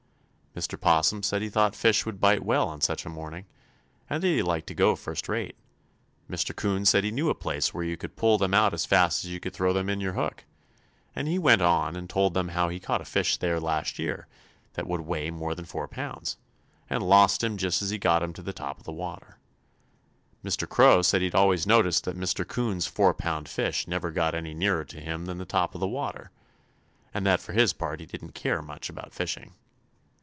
Mr. 'Possum said he thought fish would bite well on such a morning, and that he'd like to go first rate. Mr. 'Coon said he knew a place where you could pull them out as fast as you could throw in your hook, and he went on and told how he caught a fish there last year that would weigh more than four pounds, and lost him just as he got him to the top of the water. Mr. Crow said he'd always noticed that Mr. 'Coon's four pound fish never got any nearer to him than the top of the water, and that for his part he didn't care much about fishing.